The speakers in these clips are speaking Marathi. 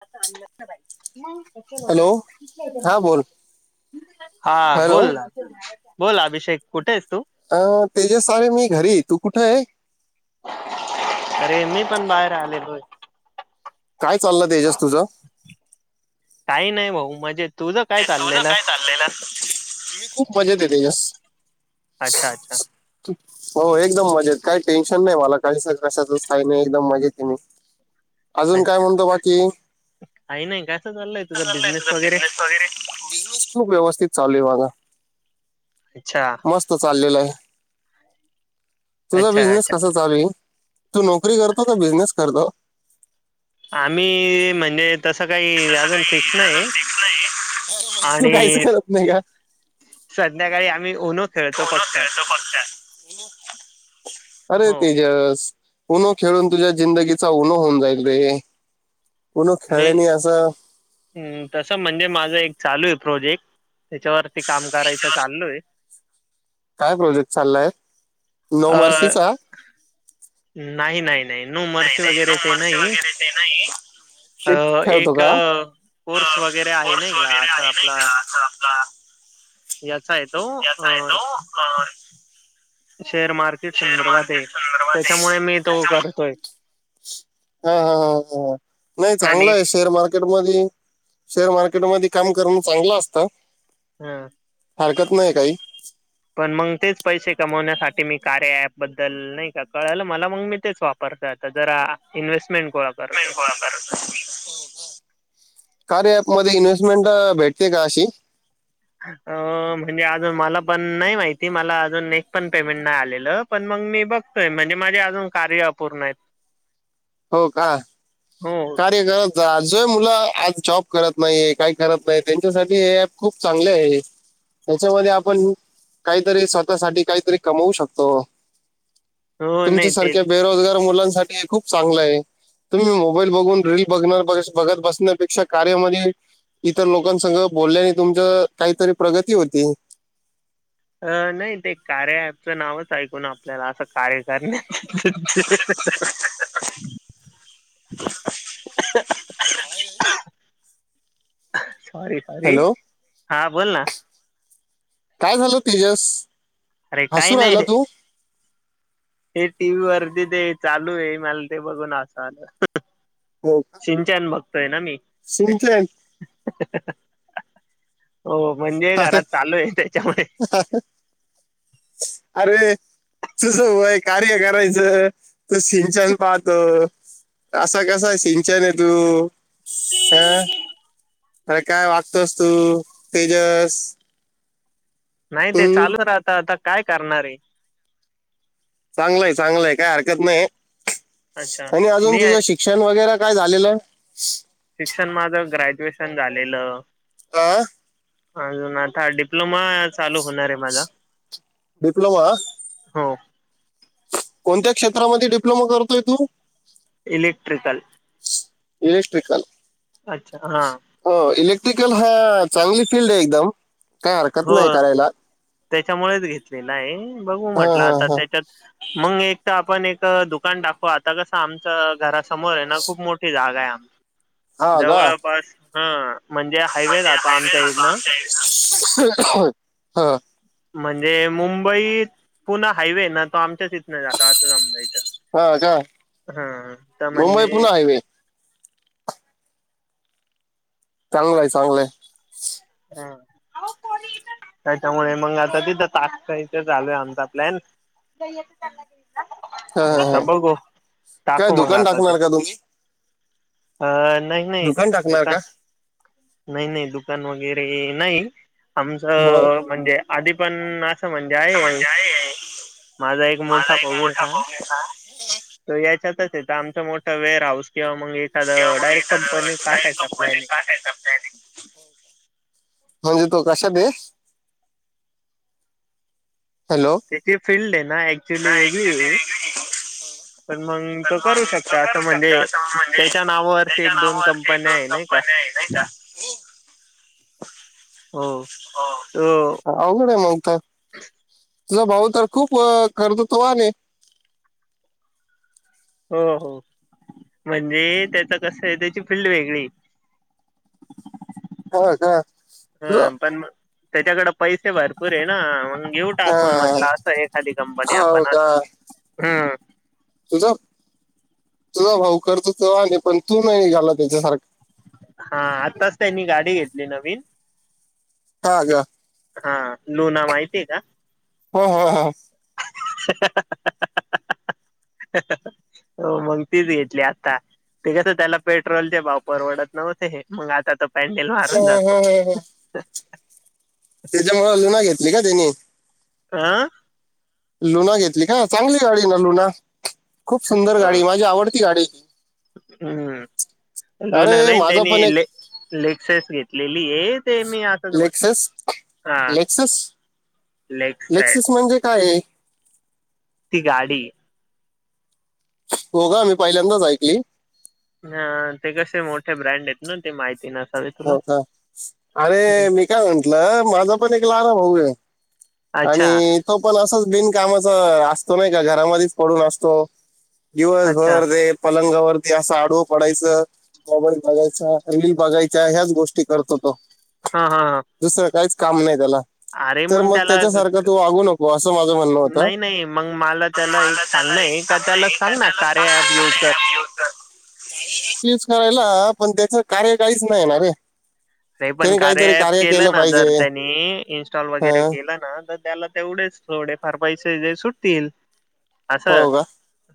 [unintelligible] हॅलो हा बोल हा हॅलो बोल ना बोल अभिषेक कुठे आहेस तु अं तेजस आणि मी घरी तू कुठे आहे तेे मी पण बाहेर आलेलो काय चाल तेजस तुझ काही नाही भाऊ मजेत ते तुझ काय चालेल मी खूप मजेत आहे तेजस अच्छा अच्छा हो एकदम मजेत काही टेन्शन नाही मला काही कशातच काही नाही एकदम मजेत आहे मी अजून काय अच्छा म्हणतो बाकी काही नाही ग कस चाललंय तुझ बिझनेस वगैरे वगैरे बिझनेस खूप व्यवस्थित चालू आहे बागा अच्छा मस्त चालेलं आहे तुझा अच्छा बिझनेस अच्छा कसा चालू हाय तू नोकरी करतो का बिझनेस करतो आम्ही म्हणे तसं काही तसं अजून फिक्स काही अजून नाही फिक्स नाही तू काहीच आणि करत नाही का संध्याकाळी आम्ही फ खेळतो फक्त अरे हो तेजस पूनो खेळून तुझ्या जिंदगीचा उनो होऊन जाईल रे उनो मी खेळनी असं हम्म तसं म्हणजे माझं एक चालू आहे प्रोजेक्ट त्याच्यावरती काम करायचं चालू आहे काय प्रोजेक्ट चाललाय अ नोमर्सीचा नाही नाही नाही नो मर्से वगैरे ते मार्क्स नाही वगैरे ते नाही अ क्लिप खेळतो एक का कोर्स वगैरे आहे ना का असं आपला याचा आहे तो याता अ, येतो शेअर मार्केट संदर्भात आहे संदर्भात आहे त्याच्यामुळे मी तो त्याच्यामुळे करतोय हा हा ह नाही आणि चांगलं आहे शेअर मार्केट म शेअर मार्केट क म काम करण चांगलं असतं हा हरकत नाही काही पण मग तेच पैसे कमवण्यात मी कार्य बद्दल नाही का कळलं मला मग मी तेच वापर जरा [inaudible] [inaudible] कार ऍप मध्ये इन्व्हेस्टमेंट भेटते का अशी अ म्हणजे अजून मला पण नाही माहिती मला अजून नेक पण पेमेंट नाही आलेलं पण म मग मी बघतोय म्हणजे माझे अजून कार्य अपूर्ण आहेत हो का हो कार्य करत आज ज मुलं आज जॉब करत नाही काही करत नाही त्यांच्यासाठी हे ऍप खूप चांगले आहे त्याच्यामध्ये आपण काहीतरी स्वतःसाठी काहीतरी कमवू शकतो हो नाही ते तुमच्यासारख्या बेरोजगार मुलांसाठी हे खूप चांगलं आहे तुम्ही मोबाईल बघून रील बघ बघत बसण्यापेक्षा कार्यामध्ये इतर लोकांसह बोलल्याने तुम तर काहीतरी प्रगती होती अ नाही ते कार्य पचं नावच ऐक ना आपल्याला असं कार्य करणे ह हम्म. का सॉरी सॉरी हॅलो हा बोल ना काय झालं तेजस अरे काही हसू नाही राहिला तू हे टी व्ही वरती ते चालू आहे मला ते बघून असं आलं हो का? सिंचन बघतोय ना मी सिंचन [unintelligible] म्हणजे घरात चालू आहे त्याच्यामुळे अरे तुझ वय कार्य करायचं तू सिंचन पाहतो असा कसा सिंचन तू हं अरे काय वागतोस तू तेजस नाही ते हम्म चालू राहत आता काय करणार आहे चांगलंय चांगलय काय हरकत नाही अच्छा आणि अजून मी तुझं शिक्षण वगैरे काय झालेलं शिक्षण माझं ग्रॅज्युएशन झालेलं आ! अजून आता डिप्लोमा चालू होणार आहे माझा डिप्लोमा हो कोणत्या क्षेत्रामध्ये डिप्लोमा करतोय तू एलेक्ट्रिकल इलेक्ट्रिकल अच्छा हा हो इलेक्ट्रिकल हा चांगली फीलल्ड आहे एकदम काय हरकत हो नाही करायला त्याच्यामुळेच घेतली नाही बघू हा म्हटलं हा आता हा त्याच्यात मग एक तर आपण एक दुकान टाकू आता कसं आमच घरा समोर आहे ना खूप मोठी जागा आहे हा का जवळपास हा हायवे म्हणजे जातो हायवे आमच्या राहतो इडनं आमच्याइकड हो हा म्हणजे मुंबई पुन्हा हायवे ना तो आमच्याच इथन जाता असं समजायचं हा का हा त्या मुंबई म्हणजे पुणे हायवे चांगलंय चांगलंय त्याच्यामुळे मग आता तिथं तासयच चालू आहे आमचा प्लॅन नाहीई आहे तर हा चां हा आता हा बघू काय टाकू मंग दुकान आता ते टाकणार का तुम्ही अ नाही नाही टाकणार दुकान का नाही नाही दुकान वगैरे नाही आमच म्हणजे आधी पण म्हणजे आहे म्हज आहे माझा एक मोठा भाऊ आहे ना हा तो याच्यातच येत आमचं मोठा वेअर हाऊस किंवा मग किंवा एखादं मग डायरेक्ट इतर कंपनी डायरेक्ट तासायच कंपनी आपल्याने टाकायचा प्लॅनिंग म्हणजे तो कशा ब त्याची फिल्ड आहे ना ऍक्च्युली वेगळी आहे हो पण मग पण तो करू मग त शकता करू असं म्हणजे शकता अं म्हणजे त्याच्या नावावरती त्याच्या एक दोन नावावरची एक कंपन्या दोन आहे नाही का कंपन्या आहे आयता हो तो हो अवघड आहे मग तर तुझा भाऊ तर खूप करर्त तोने हो हो म्हणजे त्याच कस आहे त्याची फिल्ड वेगळी हा काा त त्याच्याकडें पैसे भरपूर आहे ना मग घेऊ हा, टाकून म्हटलं असं एखादी कंपनी हा हो आपण का असं ह तुझ भाऊ करत त पण तू नाही निघाला त्याच्यासारखा हा आताच त्यांनी गाडी घेतली नवीन हा ग हा लुना माहितीय का हो हो हो हो मग तीच घेतली आता ते कस त्याला पेट्रोलचे भाव परवडत नव्हते हे मग आता तर पॅनडेल मारून जातो हो त्याच्यामुळे अ लुना घेतली का त्यानी आह लुना घेतली का ना चांगली गाडी ना लुना खूप सुंदर गाडी माझी आवडती गाडी ती हम्म लुना अरे नाही माझा त्यानी पण एक ले लेगसेस घेतलेली आहेत लेक्सेस लेक्सेस लेक्सिस लेक्सेस म्हणजे काय ती गाडी हो का मी पहिल्यांदाच ऐकली ह ते कसे मोठे ब्रँड आहेत ना ते माहिती नसावे तुला हो का अरे मी काय म्हंटलं माझा पण एक लाार होऊय अच्छा आणि तो पण असंच का असतो नाही का घरा पडून असतो अच्छा दिवसभर लंगावरती असा आडव पडायं बॉबडी बघायचा रील बघायच त्या ह्याच गोष्टी करतो तो हा हा हा काम नाही त्याला अरे तर मग त्याला त्याच्यासारखा तू वागू नको असं माझ म्हणणं होत. नाही नाही मग मला त्याला एक सांगणं आहे का त्याला सांग ना कार्या ऍप युज कर [unintelligible] करायला पण त्याच कार्य काहीच नाहीणार रे हे पण त्याने काहीतरी कार्या ऍप कार्य केलं ना पाहिजे जर त्यांनी इन्स्टॉल वगैरे हं, केलं ना तर त्याला तेवढेच थोडे फार पैसे सुटतील हो असं का?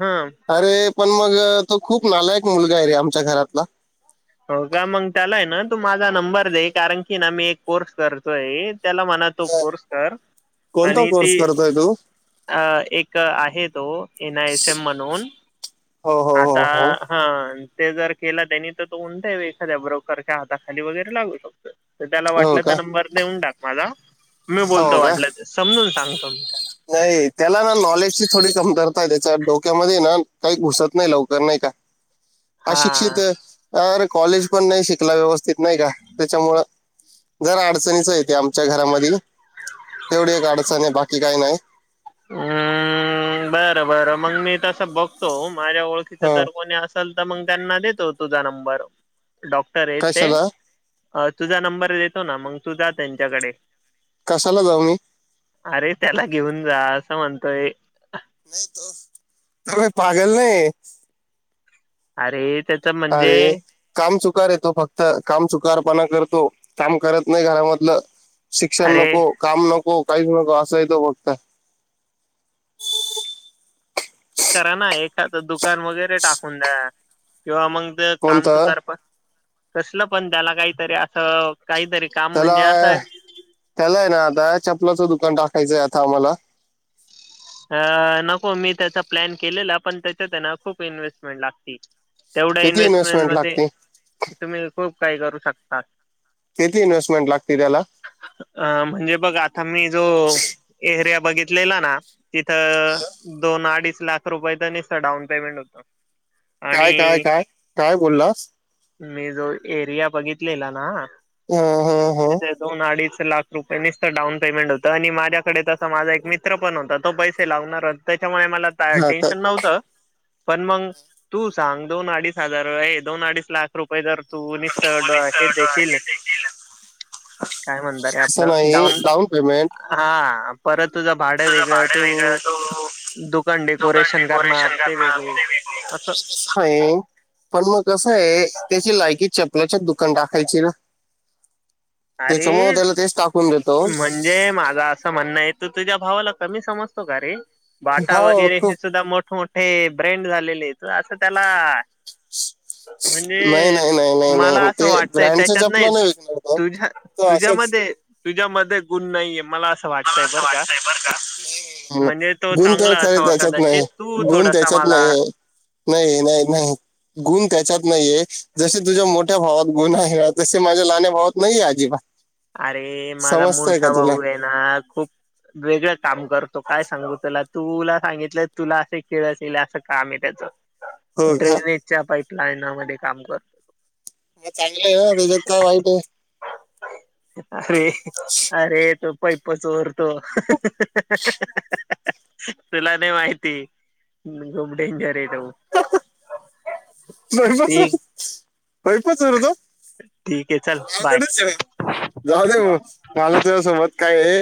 हं अरे पण मग तो खूप नालायक मुलगा आहे रे, आमच्या घरातला. हो का मग त्याला आहे ना तू माझा नंबर दे कारण की ना मी एक कोर्स करतोय. त्याला म्हना कोर्स कर कोणता आणि कोर्स ती करतोय तू अ एक आहे तो एन आय एस एम म्हणून हो हो आता हो हो हा ते जर केलं त्यांनी तर तो उंता ये एखाद्या ब्रोकरच्या हाताखाली वगैरे लागू शकतो. तर त्याला हो वाटलं का तर नंबर देऊन टाक माझा मी हो बोलतो का वाटलं समजून सांगतो. नाही त्याला ना नॉलेजची थोडी कमतरता य त्या डोक्यामध्ये ना काही घुसत नाही लवकर, नाही का. हा अशिक्षित अरे कॉलेज पण नाही शिक व्यवस्थित नाही का त्याच्यामूळ जरा अडचणीचं य ते आमच्या घरामधील तेवढी एक अडचण आहे बाकी काही नाही हम्म बरं बरं मग मी तसं बघतो. माझ्या ओळखीच हा जर कोणी असेल तर मग त्यांना देतो तुझा नंबर डॉक्टर आहेत ते कशाला तुझा नंबर देतो ना मग तू जा त्यांच्याकडे कशाला जाऊ मी अरे त्याला घेऊन जा असं म्हणतोय. नाही तो त पागल नाही. अरे! त्याच म्हणजे अरे काम चुकार आहे तो फक्त काम चुकारपणा करतो काम करत नाही घरामधलं शिक्षण अरे नको, काम नको. काहीच नको असंही तो फक्त. करा ना एखादं दुकान वगैरे टाकून द्या किंवा मग? काम कोणतं चुकार पण, कसलं पण त्याला काहीतरी असं काहीतरी काम त्याला, म्हणजे असं त्याला आहे ना आता चपलाचं दुक पण टाकायचंय आता आम्हाला अ नको मी त्याचा प्लॅन केलेला पण त्याच्या त्यांना खूप इन्व्हेस्टमेंट लागते. तेवढ्या किती इन्व्हेस्टमेंट मध्ये लागते तुम्ही खूप काही करू शकता किती इन्वेस्टमेट लागते. त्याला अ म्हणजे बघ आता मी जो एर बघितलेला ना तिथ दोन अडीच लाख रुपय त नुसत डाऊन पेमेंट होत. काय, काय काय, काय बोललास. मी जो एरिया बघितलेला ना हं, हं, हं. तेथ दोन अडीच - लाख रुपयांनीच तर डाऊन पेमेंट होतं आणि माझ्याकडे तसं माझा एक मित्र पण होता. तो पैसे लागणार त्याच्यामुळे मला हा, का- टेन्शन नव्हतं. पण मग तू सांग दोन अडीच हजार दोन अडीच लाख रुपये जर तू निसत भौगोलिक डोके देशील हे देखील काय म्हणत रे असं आपलं नाही डाऊन पेमेंट हा परत तुझ भाड वेगळं या तू तो दुकान डेकोरेशन करणार ते असं वेगळं पण मग कसं आहे त्याची लायकी चपलाच्याच दुकान टाकायची ना. त्याच्यामुळे अरे त्याला तेच टाकून देतो म्हणजे माझं असं म्हणणं आहे तू तुझ्या भावाला कमी समजतो का रे बाटा हो वगैरे हे खूप सुद्धा मोठ मोठे ब्रँंड झालेले असं त्याला नाही म्हणजे नाही नाही नाही माला नाही असं ते वाटतंय ब्रँडच्या त्याच्यात नाही चपला विकणार तो तुझ्या तर अशाच तुझ्यामध्ये तुझ्यामध्ये गुण नाहीये मला असं मला वाटतंय अस बरं का वाटतय बर का म्हणजे तो गुण तर चांगला खर असावा त्याच्यात नाही कदाचित तू गुण थोडासा त्याच्यात मला नाही आहे नाही नाही नाही गुण त्याच्यात नाहीये जसे तुझ्या मोठ्या भावात गुण आहे तसे माझ्या लहाण्या भावात नाहीये अजिबात अरे माझा समजतंय का मोठा तुला भाऊ आहे ना खूप वेगळं काम करतो काय सांगु तुला तुला सांगितलंय तुला असे किळस येईल असं काम आहे हो त्याच का ड्रेनेजच्या पाईपलाईना मध्ये काम करतो म चांगलं आहे ओ त्याच्यात काय वाईट आहे अरे अरे तो पैपं चोरतो तुला नाही माहिती खूप डेंजर हे बाईप ठीक बाईपच आहेता ठीक आहे चल बाय [inaudible] गावाकडे जाऊ दे ना म मला तुझ्या सोबत काय आहे